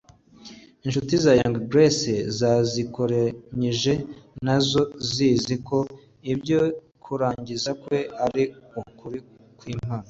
Inshuti za Young Grace yazikoranyije nazo zizi ko ibyo kurangiza kwe ari ukuri kw'impamo